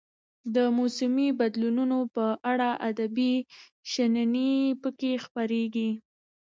د موسمي بدلونونو په اړه ادبي شننې پکې خپریږي.